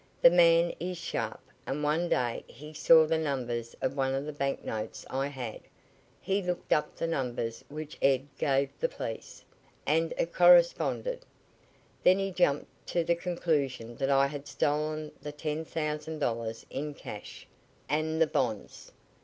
The man is sharp, and one day he saw the numbers of one of the bank notes I had. He looked up the numbers which Ed gave the police, and it corresponded. Then he jumped to the conclusion that I had stolen the ten thousand dollars in cash, and the bonds.